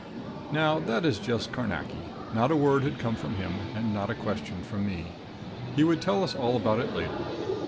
Now, that is just Carnacki. Not a word had come from him and not a question from me. He would tell us all about it later.